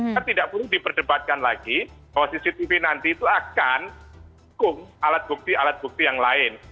kan tidak perlu diperdebatkan lagi bahwa cctv nanti itu akan hukum alat bukti alat bukti yang lain